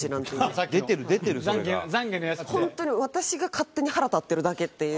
本当に私が勝手に腹立ってるだけっていう。